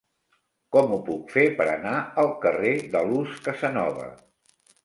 Com ho puc fer per anar al carrer de Luz Casanova?